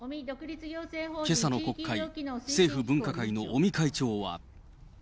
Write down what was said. けさの国会、政府分科会の尾身会長は。